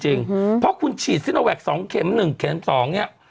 เพราะคุณฉีดซิโนแวค๒เข็ม๑เข็ม๒เนี่ย